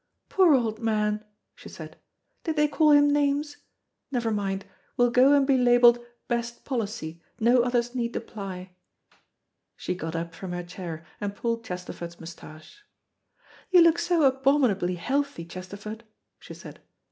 "Poor old man," she said, "did they call him names? Never mind. We'll go and be labelled 'Best policy. No others need apply.'" She got up from her chair, and pulled Chesterford's moustache. "You look so abominably healthy, Chesterford," she said.